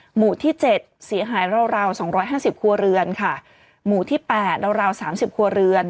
หมู่ที่เจ็ดเสียหายราวราวสองร้อยห้าสิบครัวเรือนค่ะหมู่ที่๘ราวราวสามสิบครัวเรือน